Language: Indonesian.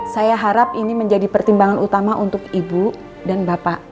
saya harap ini menjadi pertimbangan utama untuk ibu dan bapak